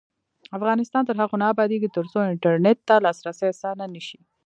افغانستان تر هغو نه ابادیږي، ترڅو انټرنیټ ته لاسرسی اسانه نشي.